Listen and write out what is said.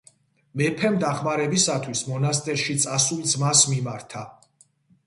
მეფემ დახმარებისათვის მონასტერში წასულ ძმას მიმართა.